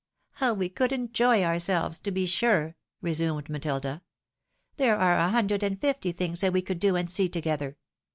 " How we could enjoy ourselves, to be sure !" resumed Matilda. " There are a hundred and fifty things that we could do and see together.